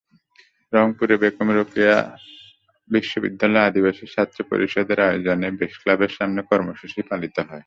রংপুরে বেগম রোকেয়া বিশ্ববিদ্যালয় আদিবাসী ছাত্র পরিষদের আয়োজনে প্রেসক্লাবের সামনে কর্মসূচি পালিত হয়।